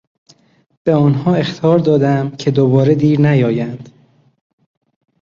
به آنها اخطار دادم که دوباره دیر نیایند.